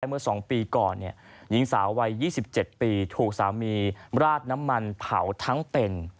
เมื่อ๒ปีก่อนหญิงสาววัย๒๗ปีถูกสามีราดน้ำมันเผาทั้งเป็น